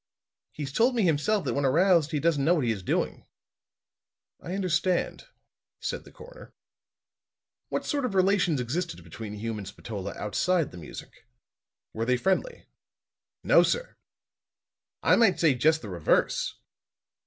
He's told me himself that when aroused he doesn't know what he is doing." "I understand," said the coroner. "What sort of relations existed between Hume and Spatola outside the music? Were they friendly?" "No, sir. I might say just the reverse.